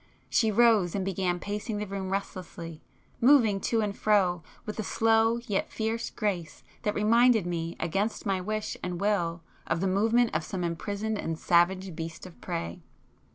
She rose and began pacing the room restlessly, moving to and fro with a slow yet fierce grace that reminded me against my wish and will of the movement of some imprisoned and savage beast of prey.